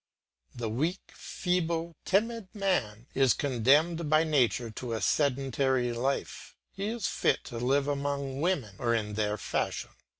The weak, feeble, timid man is condemned by nature to a sedentary life, he is fit to live among women or in their fashion.